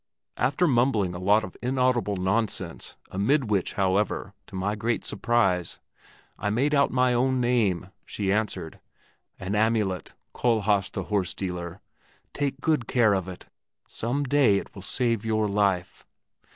After mumbling a lot of inaudible nonsense, amid which, however, to my great surprise, I made out my own name, she answered, 'An amulet, Kohlhaas the horse dealer; take good care of it; some day it will save your life!'